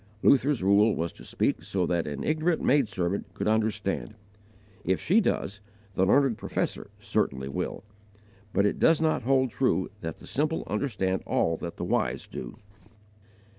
Luther's rule was to speak so that an ignorant maid servant could understand; if she does, the learned professor certainly will; but it does not hold true that the simple understand all that the wise do.